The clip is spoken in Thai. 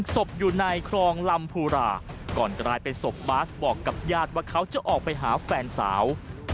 ศพอยู่ในคลองลำภูราก่อนกลายเป็นศพบาสบอกกับญาติว่าเขาจะออกไปหาแฟนสาว